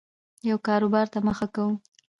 یو کاربار ته مخه کوو